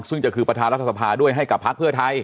ซึ่งจะคือประธานรัฐสภาด้วยให้กับพักเพื่อไทย